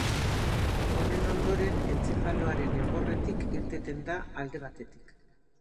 Honen ondoren entzefaloaren enborretik irteten da alde batetik.